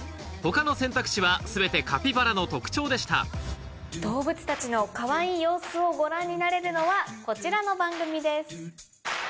他の選択肢は全てカピバラの特徴でした動物たちのかわいい様子をご覧になれるのはこちらの番組です。